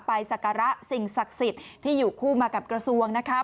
ศักระสิ่งศักดิ์สิทธิ์ที่อยู่คู่มากับกระทรวงนะคะ